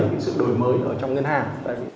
cái sự đổi mới ở trong ngân hàng